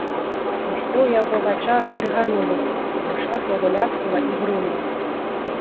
Усё ў яго вачах здрыганулася, у вушах яго ляснула і грунула.